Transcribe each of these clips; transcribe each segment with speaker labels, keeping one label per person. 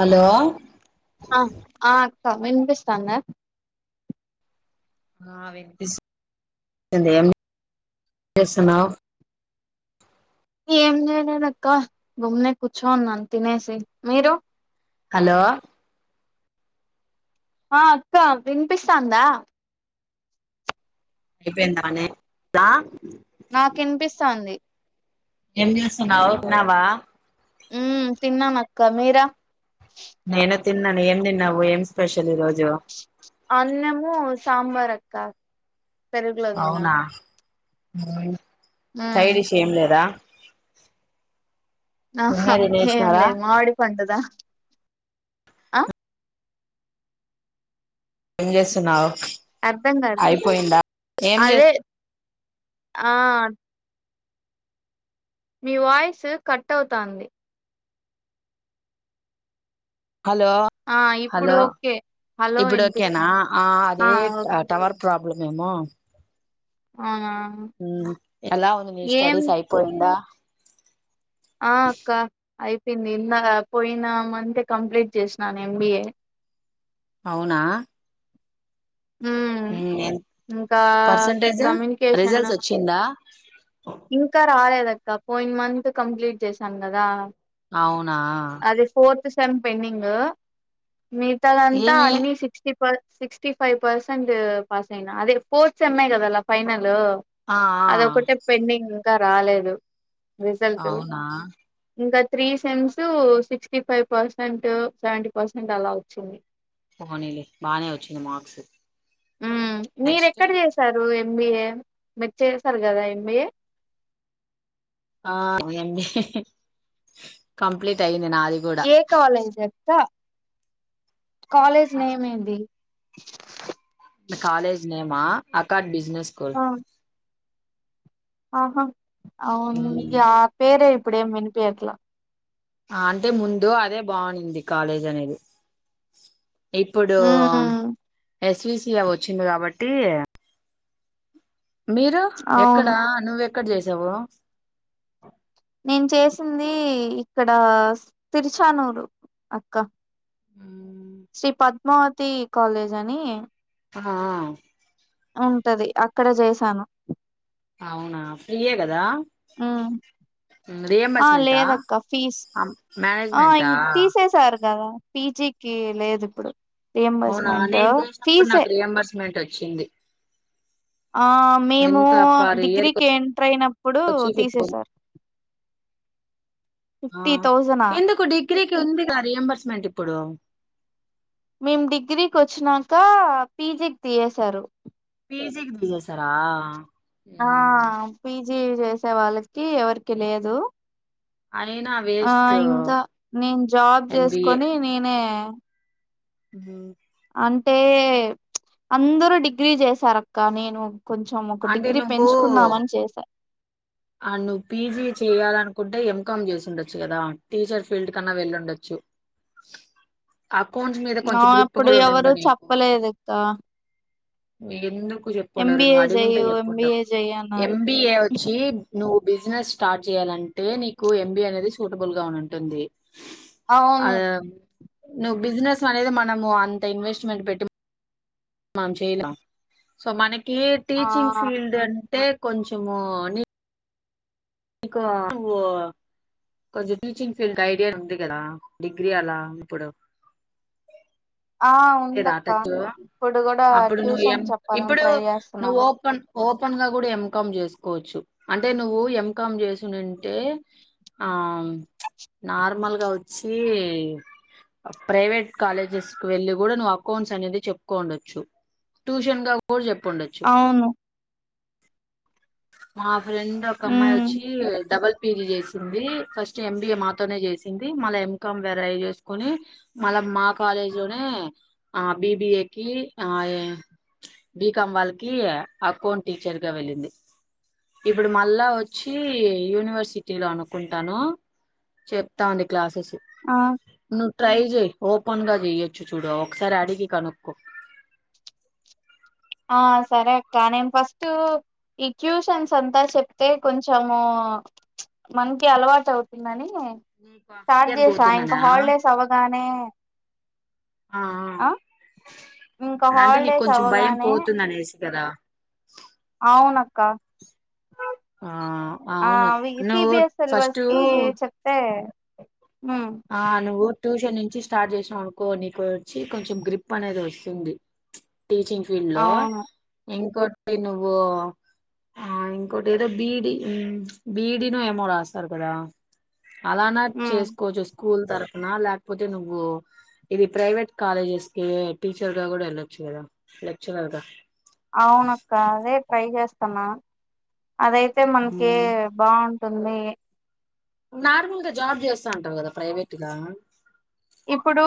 Speaker 1: Hello
Speaker 2: ఆ ఆ వినిపిస్తుందా
Speaker 1: ఆ వినిపిస్తుంది ఏమి చేస్తున్నావ్
Speaker 2: ఏం చేయలేదక్క గుొమ్ని కూర్చోన్నాను తినేసి మీరు
Speaker 1: హలో
Speaker 2: ఆ అక్క వినిపిస్తాంద
Speaker 1: అయిపోయిందా నే లో
Speaker 2: నాకు ఇనిపిస్తుంది
Speaker 1: ఏమి చేస్తున్నావ్ తిన్నావా
Speaker 2: హ్మ్ తిన్నాను అక్క మీరు
Speaker 1: నేన తిన్నా ఏం తీన్నావ్ ఏం స్పెషల్ ఈ రోజు
Speaker 2: అన్నము సాంబార్ అక్క పెరుగులో తిన్నాను
Speaker 1: ఆ
Speaker 2: ఉమ్
Speaker 1: సైడ్ డిష్ ఏం లేదా
Speaker 2: ఆహా
Speaker 1: నిన్నే తినేసినారా
Speaker 2: ఏంలే మామిడి పండదా ఆ
Speaker 1: ఏమి చేస్తున్నావ్
Speaker 2: అర్థం కాదు
Speaker 1: ఏం చే
Speaker 2: అదే ఆ మీ వాయిస్ కట్ అవుతాంది
Speaker 1: హలో
Speaker 2: ఆ ఇప్పుడు
Speaker 1: హలో ఆ
Speaker 2: ఓకే హలో
Speaker 1: ఇప్పుడు ఓకేనా
Speaker 2: వినిపిస్తాంది ఆ
Speaker 1: అదే
Speaker 2: ఓకే
Speaker 1: టవర్ ప్రబ్ ఎడుమేమా
Speaker 2: అవునా
Speaker 1: హ్మ్ ఎలా ఉంది
Speaker 2: ఏం
Speaker 1: స్టడీస్ అయిపోయింద
Speaker 2: ఆ అక్క అయిపోయింది నిన్న పోయిన మంతే కంప్లీట్ చేసినాను ఎంబిఏ
Speaker 1: అవునా
Speaker 2: ఉమ్
Speaker 1: ఎ
Speaker 2: ఇంకా
Speaker 1: పర్సంటేజ్ రిజల్ట్స్ వచ్చిందా [unintelligible]
Speaker 2: ఇంక రాలేదు అక్క ఇం పోయిన్ మంత్ కంప్లీట్ చేశాను కదా
Speaker 1: అవునా
Speaker 2: సం పెన్నీంగ మిగతాలంతా
Speaker 1: ఏమి
Speaker 2: అన్ని sixty per sixty five percent pass అయినా అదే ఫోర్త్స్ సమ్ఐ కదా ఫైైనల్
Speaker 1: ఆ
Speaker 2: ఇంకా రాలేదు
Speaker 1: ఆ
Speaker 2: రజల్ట్
Speaker 1: అవునా
Speaker 2: ఇకా three sems sixty five percent seventy percent అలా వచ్చింది
Speaker 1: పోహనీలి బాగానే వచ్చింది మార్క్స్
Speaker 2: మీర
Speaker 1: నెక్స్ట్
Speaker 2: ఎక్కడ చేసారు ఎంబిఏ మ చేస్తారు కదా ఎంబిఏ
Speaker 1: ఆ అడి కంప్లీట్ అయింది నాది కూడా
Speaker 2: ఏ కవాలేజ్ త కాలేజ్ నేమ్ ఏది
Speaker 1: అకాడమి బిజినస్కల్
Speaker 2: ఆ! ఆహా అవును
Speaker 1: మ్మ్.
Speaker 2: ఆ పేర అప్పుడే వినిపకలా
Speaker 1: అంటే ముందు అదే బాగుంది కాలేజ్ అనేది ఇప్పుడు
Speaker 2: హ్మ్.
Speaker 1: ఎస్విసి అ వచ్చింది కాబట్టి మీరు
Speaker 2: అవును.
Speaker 1: ఎక్కడా నువ్వె క్కడ చేసావ
Speaker 2: నేను చేసింది ఇక్కడ తిరుచానూరు అక్క మ తీ కలేజ అని
Speaker 1: ఆ
Speaker 2: ఉంటది అక్కడ చేసాను
Speaker 1: అవునా ఫ్రీయగదా
Speaker 2: ఆ
Speaker 1: రియంబర్స్మెంటా
Speaker 2: లేదక్క ఫీజ ఆ
Speaker 1: మేనేజ్మెంటా
Speaker 2: తీసేసారు కదా పీజికి లేదు ఇప్పుడు
Speaker 1: అవునా అనేేను దసపప్పుడు నాకు రి ఎంబర్స్మెంట్ అచ్చ పషడి
Speaker 2: మేము డిగ్రీకి ఎంటర్ అయినప్పుడు
Speaker 1: వచ్చి ఫిఫ్
Speaker 2: తీసేసారు
Speaker 1: ఆ
Speaker 2: ఫిఫ్టీ థౌజం
Speaker 1: ఎందుకు డిగ్రీకి ఉందిగా రియంబర్స్మెంట్ ఇప్పుడు
Speaker 2: మేము డిగ్రీకి వచ్చినాక పీజికి తీసేశారు
Speaker 1: పి జి కి తీసేశారా
Speaker 2: ఆ పి జి చేసే వాళ్ళకి ఎవరికి లేదు
Speaker 1: అయినా
Speaker 2: ఆ
Speaker 1: వేస్ట్
Speaker 2: ఇంకా నేను జాబ్ చేసుకొని నేనే
Speaker 1: అ
Speaker 2: అంటే అందరూ డిగ్రీ చేశారు అక్క నేను కొంచెం ఒక
Speaker 1: అంటే
Speaker 2: డిగ్రీ
Speaker 1: నువ్వు
Speaker 2: పెంచుకుందామని చేసా
Speaker 1: నువ్వు పీజీ చేయాలనుకుంటే ఎం ఏం కం చేస్సుండొచ్చు కదా టీచర్ ఫీల్డ్ కన్నా వెళ్ళండొచ్చు
Speaker 2: ఆ అ ప్పుడు ఎవరు
Speaker 1: నీకు
Speaker 2: చెప్పలేదు ఇక్క
Speaker 1: ఎందుకు చెప్పు ఉన్నారు ఎందుకంటే ఎప్పు ఉంట
Speaker 2: ఎంబిఏ చెయ్యి
Speaker 1: [unintelligible]
Speaker 2: అన్నారు
Speaker 1: ఎంబిఏ వచ్చి నువ్వు బిజినెస్ స్టార్ట్ చేయాలంటే నీకు ఎంబి అనేది సూటబుల్ గా ఉంటుంది
Speaker 2: అవును
Speaker 1: అద నువ్వు బిజినెస్ అనేది మనము అంత ఇన్వెస్ట్మెంట్ పెట్టి చెయ్యలాం సో మన ఏ టీచింగ్
Speaker 2: ఆ
Speaker 1: ఫీల్డ్ అంటే కొంచము కు ను్ కొంచం టీచింగ్ ఫీల్డ్ ఐడియా ఉంది కదా డిగ్రీ అలా ఇప్పుడు
Speaker 2: ఆ
Speaker 1: లేదా ఆ
Speaker 2: ఉందక్క
Speaker 1: టచ్
Speaker 2: ఇప్పుడు కూడా
Speaker 1: అప్పుడు నువ్వు ఎం
Speaker 2: ట్యూషన్ చెప్పాలని
Speaker 1: ఇప్పుడు
Speaker 2: ట్రై
Speaker 1: నువ్వు
Speaker 2: చేస్తున్నాను
Speaker 1: ఓపెన్ ఓపెన్ గా కూడా ఎంకామ్ చేసుకోవచ్చు అంటే నువ్వు ఎం ఏం కం చేసిఉందంటే ఆ నార్మల్ గా వచ్చి ప్రైవేట్ కాలేజెస్ వెళ్ళి కూడా నువ్వు అకౌంట్స్ అనేది చెప్పుకోండోచ్చు ట్యూషన్ గా కూడా చెపొచ్చు
Speaker 2: అవును
Speaker 1: అవును ఫ్రెండ్ ఒక అమ్మాయి వచ్చి
Speaker 2: ఉమ్
Speaker 1: పి జి చేసింది ఫస్ట్ ఎంబిఏ మాతోనే చేసింది మళ్ళ ఎంకాం వేర చేసుకుని మళ్ళ మా కాలేజ్ లోనే ఆ బిబిఏ క ఆ బీకాం వాళ్ళకి అకౌంట్ టీచర్గా వెళ్ళింది ఇప్పుడు మళ్ళా వచ్చి యూనివర్సిటీ లో అనుకుంటాను చెప్తా ఉంది క్లాసెస్
Speaker 2: ఆ
Speaker 1: నువ్వు ట్రై చెయ్ ఓపెన్ గా చెయొచ్చు చూడ ఒకసారి అడిగి కనుక్కో
Speaker 2: ఆ సరే అక్క నేను ఫస్ట్ ఈ ట్యూషన్స్ అంతా చెప్తే కొంచము మనకి అలవాటు అవుతుందని
Speaker 1: నీకు ఆ
Speaker 2: స్టార్ట్
Speaker 1: ఫియర్
Speaker 2: చేసా ఇంకా
Speaker 1: పోతుందనా
Speaker 2: హాలిడేస్ అవ్వగానే
Speaker 1: ఆ ఆ
Speaker 2: ఇంకా
Speaker 1: అంటే నీకు
Speaker 2: హాలిడేస్
Speaker 1: కొంచెం భయం
Speaker 2: అవ్వగానే
Speaker 1: పోతుంది అనేసి కదా
Speaker 2: అవునక్క
Speaker 1: ఆ
Speaker 2: ఆ
Speaker 1: అవును
Speaker 2: అ సి
Speaker 1: నువ్వు
Speaker 2: బి ఎస్ సిలబస్
Speaker 1: ఫస్ట్
Speaker 2: కి చెప్తే ఉమ్
Speaker 1: ఆ నువ్వు ట్యూషన్ నుంచి స్టార్ట్ చేసినాం అనుకో నీకు వచ్చి కొంచెం గ్రిప్ అనేది వస్తుంది టీచింగ్ ఫీల్డ్ లో
Speaker 2: అవును
Speaker 1: ఇంకోటి నువ్వు ఆ ఇంకోటి ఏదో బీడీ బీడీ ను ఏమో రాస్తారు కదా అలానా
Speaker 2: ఉమ్
Speaker 1: చేస్ కొంచం స్కూల్ తరఫున లేకపోతే నువ్వు ఇది ప్రైవేట్ కాలేజెస్ కి టీచర్గా కూడా వెళ్ళొచ్చు కదా లెక్చరర్ గా
Speaker 2: అవునక్క అదే ట్రై చే స్తన్నా అదయితే మనకి
Speaker 1: ఉమ్,
Speaker 2: బాగు సమ్మె
Speaker 1: నార్మల్గా జాబ్ చేస్తా ఉంటారు కదా ప్రైవేట్గా
Speaker 2: ఇప్పుడు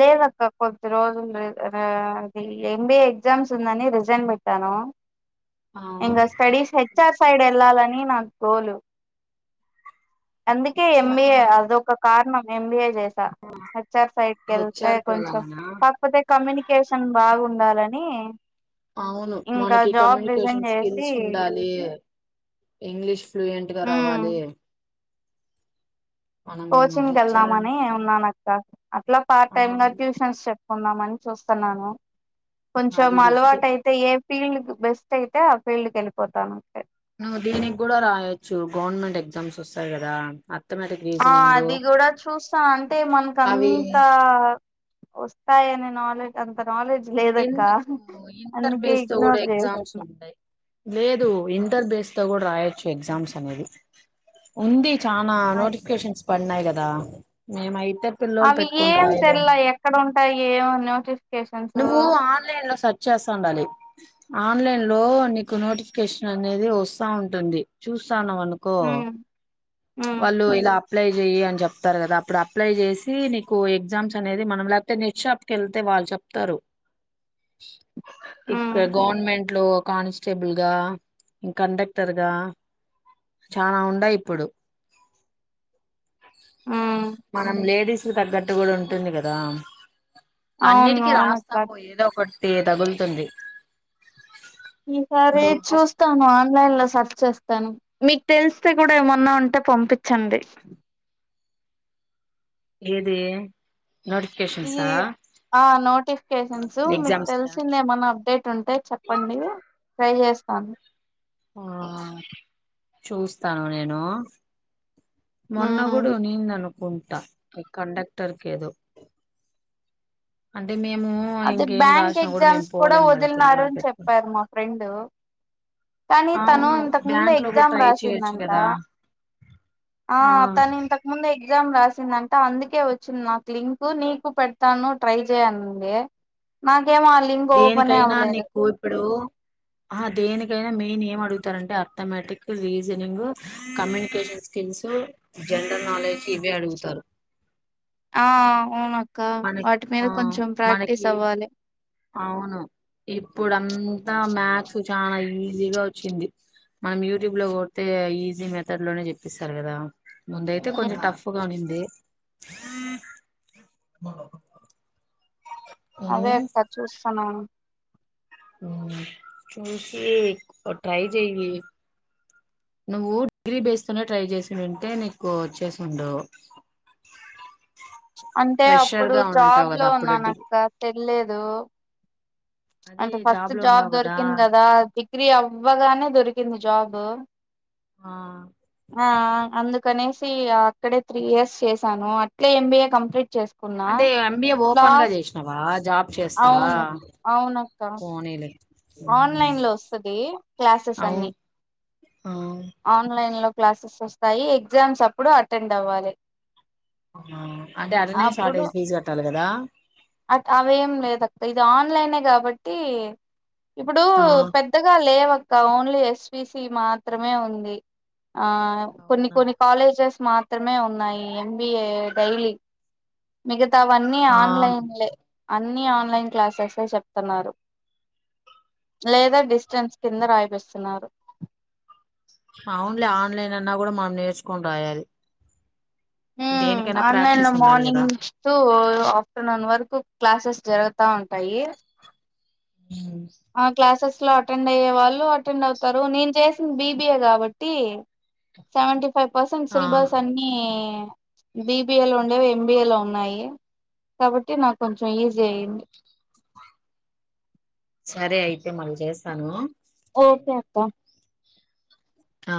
Speaker 2: లేదక్క కొద్ది రోజులు ఎంబిఏ ఎగ్జామ్స్ ఉందని రిజైన్ పెట్టాను
Speaker 1: ఆ
Speaker 2: ఇంగ స్టడీస్ హెచ్ ఆర్ సైడ్ ఎలా న నాకు గోలు అందుకే ఎం ఏ అదొక కారణం ఎం బీ ఏ చే హెచ్ ఆర్ సైడ్కి వెళ్తే
Speaker 1: హెచ్ఆర్ కి
Speaker 2: కొంచెం
Speaker 1: వెళ్ళాలనా
Speaker 2: కాకపోతే కమ్యూనికేషన్ బాగు ండాలని
Speaker 1: అవును మనకి
Speaker 2: రిజైన్
Speaker 1: కమ్యూనికేషన్
Speaker 2: చేసి
Speaker 1: స్కిల్స్ ఉండాలి ఇంగ్లీష్ ఫ్లూయెంట్ గా
Speaker 2: ఉమ్
Speaker 1: రావాలి మనం
Speaker 2: కోచింగ్కి
Speaker 1: హెచ్ఆర్
Speaker 2: వెళ్దామని ఉన్నాను అ క్క అట్లా పార్ట్ టైమ్ లో ట్యూషన్స్ చెప్ కుందామని చూస్తన్నాను కొంచెం
Speaker 1: అది బెస్ట్
Speaker 2: అలవాటు అయితే ఏం ఫీల్డ్ బెస్ట్ అయితే ఆ ఫీల్డ్ క వెళిపోతాను అంట
Speaker 1: నువ్వు దీనికి కూడా రాయొచ్చు గవర్నమెంట్ ఎగ్జామ్స్ వస్తాయి కదా అథమెటిక్
Speaker 2: ఆ
Speaker 1: రీజనింగ్
Speaker 2: అది కూడా చూస్తా అంటే మనక
Speaker 1: అవి
Speaker 2: అంత వస్తాయని నాలెజ్ అంత నాలెడ్జ్ లేదక్క
Speaker 1: ఎందుకు ఇంటర్
Speaker 2: అందుకే
Speaker 1: బేస్ తో కూడా
Speaker 2: ఇగ్నోర్
Speaker 1: ఎగ్జామ్స్
Speaker 2: చేసేసిన
Speaker 1: ఉండయి లేదు ఇంటర్ బేస్ కూడా రాయొచ్చు ఎగ్జామ్స్ అనేది ఉంది చాలనా నోటిఫికేషన్స్ పన్నాయి కదా న మాహ
Speaker 2: అవి ఏం తెల్ల ఎక్కడ ఉంట అక్క ఏమన్నావ్
Speaker 1: నువ్వు ఆన్లైన్ లో సెర్చ్ చేస్తా ఉండాలి ఆన్లైన్ లో నీకు నోటిఫికేషన్ అనేది వస్తా ఉంటుంది చూ ానం అనుకో
Speaker 2: ఉమ్ ఉమ్
Speaker 1: వాళ్ళు ఇలా అప్లై చెయ్య అని చెప్తారు కదా అప్పుడు అప్లై చేసి నీకు ఎగ్జామ్స్ అనే మనం లేకతే నెట్ షాప్కి వెళ్తే వాళ్ళు చెప్తారు తరు
Speaker 2: ఉమ్
Speaker 1: ఇక్కడ గవర్మెంట్ ఇట్లో కానిస్టేబుల్ గా ఇంకా కండక్టర్గా చాలా ఉనాయి ఇప్పుడు
Speaker 2: ఉమ్
Speaker 1: మనం లేడీస్ తగ్గట్టు కూడా ఉంటుంది కదా
Speaker 2: అవును
Speaker 1: అన్నిటికిీ రాస్తా
Speaker 2: అవునక్క
Speaker 1: పో ఏదో ఒకటి ఒకటి తగులుతుంది
Speaker 2: సరే
Speaker 1: నువ్వు ఫస్ట్
Speaker 2: చూస్తాను ఆన్లైన్ లో సెర్చ్ చేస్తాను మీకు తెలుసు కూడా ఏమన్నా ఉంటే పంపించండి
Speaker 1: ఏది
Speaker 2: ఈ
Speaker 1: నోటిఫికేషన్సా
Speaker 2: ఆ నోటిఫికేషన్స్ మీకు
Speaker 1: ఎగ్జామ్స్ కా
Speaker 2: తెలిసిందేమన్నా అప్డేట్ ఉంటే చెప్పండి ట్రై చేస్తాను
Speaker 1: ఆ చూస్తాను నేను
Speaker 2: ఉమ్
Speaker 1: మొన్నగుడా ఉండింది అనుకుంటా కండక్టర్కిేదో అ
Speaker 2: అదే బ్యాంక్ ఎగ్జామ్స్ కూడా
Speaker 1: పోలేం కదా
Speaker 2: వదిలినారు
Speaker 1: పిల్లలు
Speaker 2: అని
Speaker 1: పెట్టుకుని
Speaker 2: చెప్పారు మా ఫ్రెండ్ కానీ తను
Speaker 1: అవును
Speaker 2: ఇంతకు ముందు
Speaker 1: బ్యాంక్ లో కూడా
Speaker 2: ఎగ్జామ్
Speaker 1: ట్రై చేయొచ్చు
Speaker 2: రాసిందంట
Speaker 1: కదా
Speaker 2: ఆ తను ఇంతకు ముందు ఎగ్జామ్ రాస్త వచ్చింటే అందుకే వచ్చింది నాకు లింకు నీకు పెడతాను ట్రై చేయి అనింది నాకేమో ఆ లింక్ ఓపెనే
Speaker 1: దేనికైనా
Speaker 2: అవ్వలేదు
Speaker 1: నీకు ఇప్పుడు ఆ దేనికైనా మెయిన్ ఏం అడుగుతారంటే arithmetic reasoning communication skills general knowledge ఇవే అడుగుతారు
Speaker 2: ఆ ఆవును అ క్క
Speaker 1: మనకి
Speaker 2: వాటి మీద
Speaker 1: ఆ
Speaker 2: కొంచెం ప్రాక్టీస్
Speaker 1: మనకి
Speaker 2: అవ్వాలి
Speaker 1: అవును ఇప్పుడు అంతా మ్యాథ్స్ చాలా ఈజీగా వచ్చింది మనం యూట్యూబ్ లో కొడితే ఈజీ మెథడ్ లోనే చూప్పిస్తారు కదా ముందయితే కొంచెం
Speaker 2: ఉమ్
Speaker 1: టఫ్ గా ఉండింది ఆ
Speaker 2: అదే అక్క చూస్ తునాను
Speaker 1: ఊ చూసి ట్రై చెయ్య నువ్వు డిగ్రీ బేస్తోనే ట్రై చేసి ఉంటే నీకు వచ్చేసి ఉండవు
Speaker 2: అంటే అప్పుడు
Speaker 1: గా
Speaker 2: జాబ్
Speaker 1: ఉంటావు
Speaker 2: లో
Speaker 1: కదా అప్పుడు
Speaker 2: ఉన్నాన అక్క తెలె లేదు
Speaker 1: అదే
Speaker 2: అంటే ఫస్ట్
Speaker 1: లో
Speaker 2: జాబ్
Speaker 1: ఉన్నావు
Speaker 2: దొరికింది కదా ది గ్రీ అవ్వగానే దొరికింది జాబ్
Speaker 1: ఆ
Speaker 2: ఆ అందుకనే స్ అక్కడే త్రీ ఇయర్స్ చేశాను అట్లే ఎంబీఏ కంప్లీట్ చేస్
Speaker 1: అంటే ఎంబిఏ ఓపెన్ గా చేసినావా జాబ్ చేస్తా
Speaker 2: అవును అవునక్క ఆన్లైన్ లో వస్తుంది క్లాసెస్ అన్ని
Speaker 1: అవును ఆ
Speaker 2: ఆన్ న్లైన్ లో క్లాసెస్ వస్తాయి ఎగ్జామ్స్ అప్పుడు అటెండ్ అవ్వాలి
Speaker 1: ఆ అంటే అటనే షార్టేజ్ ఫీజ్ కట్టాలి కదా
Speaker 2: అ అవేం లేదక్క ఇది ఆన్లైనే కాబట్టి ఇప్పుడు
Speaker 1: ఆ
Speaker 2: పెద్దగా లేవ్ క ఓన్లీ ఎస్పిసి మాత్రమే ఉంది ఆ కొన్ని
Speaker 1: అవునా
Speaker 2: కొన్ని కాలేజెస్ మాత్రమే ఉన్నాయి ఎంబిఏ డైలీ మిగా తవన్నీ
Speaker 1: ఆ
Speaker 2: ఆన్లైన్ అన్ని ఆన్లైన్ క్లాసెస్ ఏ చెప్తున్నారు లేదా డిస్టెన్స్ కింద రాయిపిస్తున్నారు
Speaker 1: అవునులే ఆన్లైన్ అన్నా కూడా మనం నేర్చుకొని రాయాలి
Speaker 2: ఉమ్
Speaker 1: దేనికైనా
Speaker 2: ఆన్లైన్ లో
Speaker 1: ప్రాక్టీస్ ఉండాలి కదా
Speaker 2: మార్నింగ్ టు ఆఫ్టర్నూన్ వరకు క్లాసెస్ జరుగుతా ఉం పై [unintelligible] ఆ క్లాసెస్ లో అండ్ అయ్యే వాళ్ళు అటెండ్ అవుతారు నేను చేసింది బిబిఏ కాబట్టి సవటి ఫైవ్ పర్సెంట్
Speaker 1: ఆ
Speaker 2: సిలబస్ అన్నిీ బిబిఏ లో ఉండేవి ఎంబీఏ లో ఉన్నాయి కాబట్టి నాక్ కొంచం ఈజీ అయ్యింది
Speaker 1: సరే అయితే మళ్ళీ చేస్తాను
Speaker 2: ఓకేప్ప
Speaker 1: ఆ